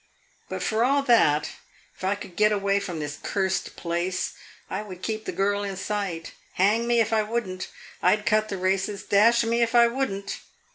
But for all that, if I could get away from this cursed place, I would keep the girl in sight hang me if I would n't! I 'd cut the races dash me if I would n't!